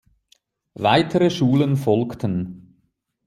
Weitere Schulen folgten.